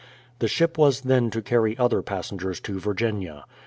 The ship was then to carry other passengers to Virginia.